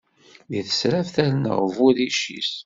Deg tesraft ar neγbu rric-is!